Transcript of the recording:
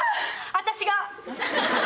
私が。